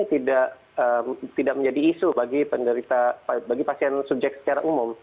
ini tidak menjadi isu bagi penderita bagi pasien subjek secara umum